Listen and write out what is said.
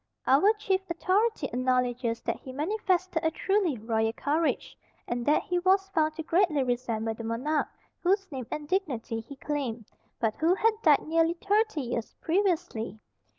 Our chief authority acknowledges that he manifested a truly royal courage, and that he was found to greatly resemble the monarch whose name and dignity he claimed, but who had died nearly thirty years previously.